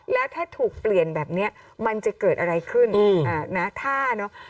แล้วถ้าถูกเปลี่ยนแบบนี้มันจะเกิดอะไรขึ้นนะถ้าเนอะ